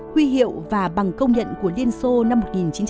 huy hiệu và bằng công nhận của liên xô năm một nghìn chín trăm bảy mươi